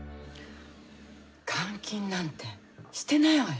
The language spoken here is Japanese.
監禁なんてしてないわよ。